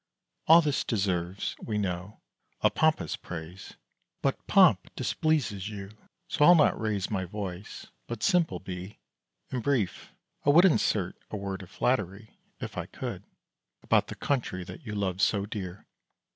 All this deserves, we know, a pompous praise: But pomp displeases you; so I'll not raise My voice, but simple be, and brief. I would Insert a word of flattery, if I could, About the country that you love so dear.